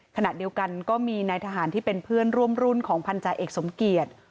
ขณะเดียวกันก็มีนายทหารที่เป็นเพื่อนร่วมรุ่นของพันธาเอกสมเกียจ